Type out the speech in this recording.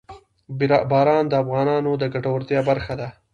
باران د افغانانو د ګټورتیا برخه ده.